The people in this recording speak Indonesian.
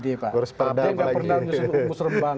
dia nggak pernah ngurus umus rembang